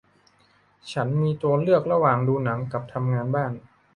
ฉันมีตัวเลือกระหว่างดูหนังกับทำงานบ้าน